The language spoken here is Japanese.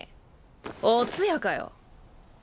お通夜かよ。